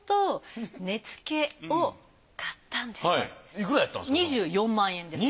いくらやったんですか？